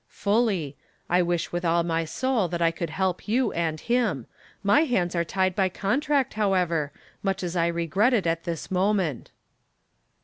"Fully. I wish with all my soul that I could help you and him. My hands are tied by contract, however, much as I regret it at this moment."